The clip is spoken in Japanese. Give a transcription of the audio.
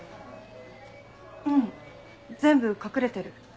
うん全部隠れてる。